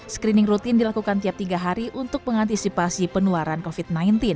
screening rutin dilakukan tiap tiga hari untuk mengantisipasi penularan covid sembilan belas